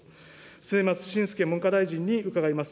末松信介文科大臣に伺います。